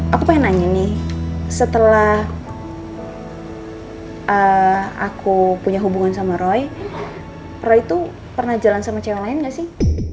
aku pengen nanya nih setelah aku punya hubungan sama roy roy itu pernah jalan sama cewek lain gak sih